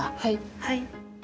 はい。